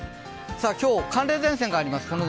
今日、寒冷前線があります。